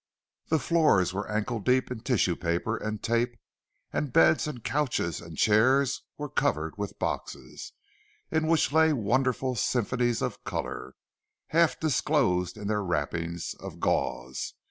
The floors were ankle deep in tissue paper and tape, and beds and couches and chairs were covered with boxes, in which lay wonderful symphonies of colour, half disclosed in their wrappings of gauze.